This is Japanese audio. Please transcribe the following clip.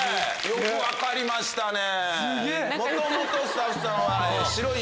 よく分かりましたね。